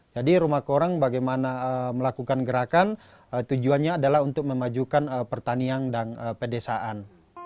jadi rumah koran bagaimana melakukan gerakan tujuannya adalah untuk memajukan pertanian dan pedesaan